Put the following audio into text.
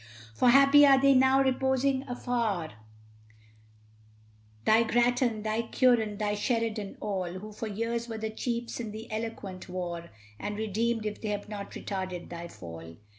For happy are they now reposing afar, Thy Grattan, thy Curran, thy Sheridan, all Who for years were the chiefs in the eloquent war, And redeemed, if they have not retarded, thy fall.